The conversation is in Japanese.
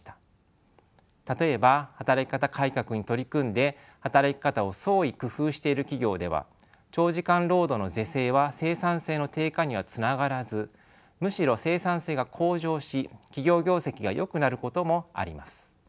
例えば働き方改革に取り組んで働き方を創意工夫している企業では長時間労働の是正は生産性の低下にはつながらずむしろ生産性が向上し企業業績がよくなることもあります。